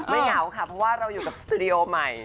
เหงาค่ะเพราะว่าเราอยู่กับสตูดิโอใหม่